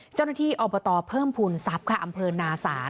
เจ้าหน้าที่อบตเพิ่มพุนซาบคาอำเภอนาศาล